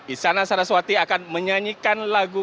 istana saraswati akan menyanyikan lagu